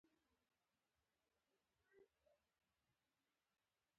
تیمور شاه عالمګیر له لور سره واړه کړی وو.